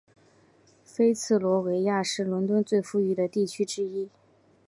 菲茨罗维亚是伦敦最富裕的地区之一。